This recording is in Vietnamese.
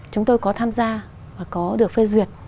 chúng tôi có tham gia và có được phê duyệt